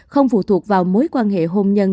không phụ thuộc vào mối quan hệ hôn nhân